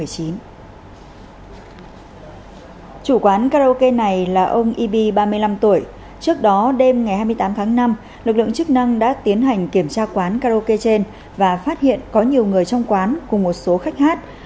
chủ quán karaoke này là ông ibi ba mươi năm tuổi trước đó đêm ngày hai mươi tám tháng năm lực lượng chức năng đã tiến hành kiểm tra quán karaoke trên và phát hiện có nhiều người trong quán cùng một số khách hát